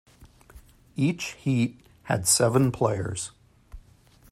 Each heat had seven players.